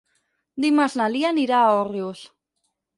Dimarts na Lia anirà a Òrrius.